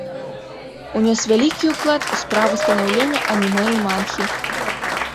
Унёс вялікі ўклад у справу станаўлення анімэ і мангі.